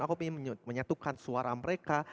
aku ingin menyatukan suara mereka